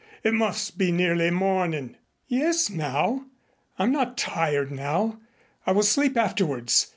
It must be nearly morning." "Yes, now. I'm not tired now. I will sleep afterwards.